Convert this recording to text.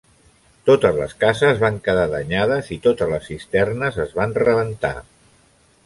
Totes les cases van quedar danyades i totes les cisternes es van rebentar.